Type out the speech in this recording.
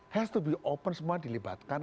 health to be open semua dilibatkan